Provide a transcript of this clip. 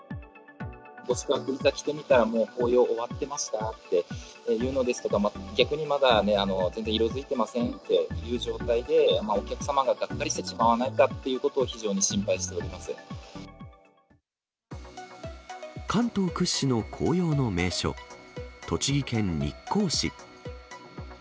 宿泊してみたら、紅葉終わってましたっていうのとか、逆にまだ全然色づいてませんっていう状態で、お客様ががっかりしてしまわないかということを、関東屈指の紅葉の名所、栃木県日光市。